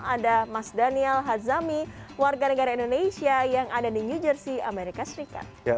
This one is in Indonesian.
ada mas daniel hazami warga negara indonesia yang ada di new jersey amerika serikat